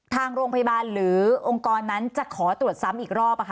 ทางโรงพยาบาลหรือองค์กรนั้นจะขอตรวจซ้ำอีกรอบ